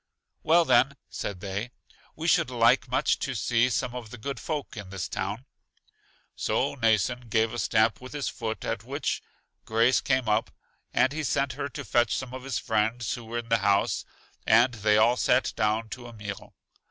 Well, then, said they, we should like much to see some of the good folk in this town. So Mnason gave a stamp with his foot, at which Grace came up, and he sent her to fetch some of his friends who were in the house, and they all sat down to a meal.